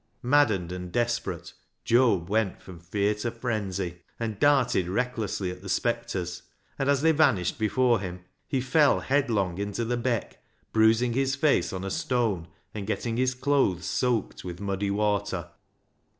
Maddened and desperate, Job went from fear to frenzy, and darted recklessly at the spectres, and as they vanished before him, he fell headlong into the Beck, bruising his face on a stone, and getting his clothes soaked with muddy water.